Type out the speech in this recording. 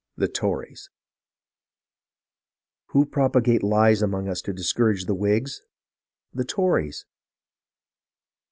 The Tories ! Who propagate lies among us to discourage the Whigs ? The Tories